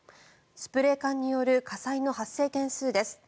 スプレー缶による火災の発生件数です。